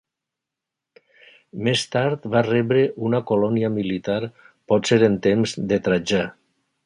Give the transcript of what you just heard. Més tard va rebre una colònia militar potser en temps de Trajà.